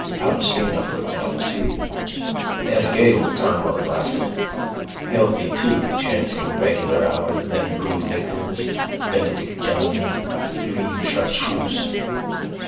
Palestrina for example too. They had a gay old time while it lasted. Healthy too, chanting, regular hours, then brew liqueurs. Benedictine. Green Chartreuse.